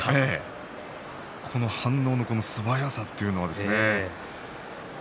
この反応の素早さというのがね。